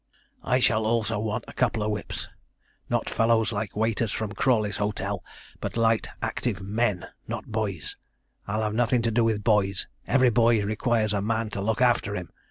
'I shall also want a couple of whips not fellows like waiters from Crawley's hotel, but light, active men, not boys. I'll have nothin' to do with boys; every boy requires a man to look arter him.